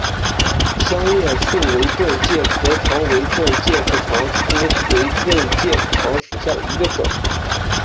香叶树围盾介壳虫为盾介壳虫科围盾介壳虫属下的一个种。